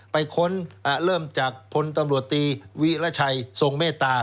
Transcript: ค้นเริ่มจากพลตำรวจตีวิรชัยทรงเมตตา